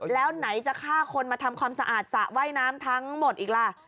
แล้วไหนจะฆ่าคนมาทำความสะอาดสระว่ายน้ำทั้งหมดอีกล่ะ